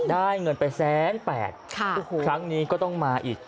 ได้เงินไปแสนแปดครั้งนี้ก็ต้องมาอีก